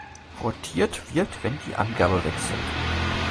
Rotiert wird, wenn die Angabe wechselt.